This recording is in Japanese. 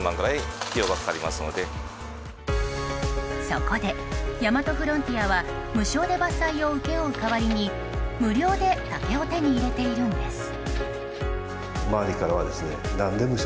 そこで大和フロンティアは無償で伐採を請け負う代わりに無料で竹を手に入れているんです。